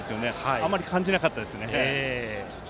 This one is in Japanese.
あまり感じなかったですね。